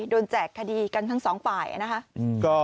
แจกคดีกันทั้งสองฝ่ายนะคะ